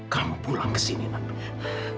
kamu pulang ke sini namanya